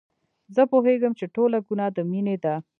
زه پوهېږم چې ټوله ګناه د مينې ده.